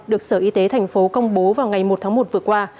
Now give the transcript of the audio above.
được sở y tế thành phố công bố vào ngày một tháng một vừa qua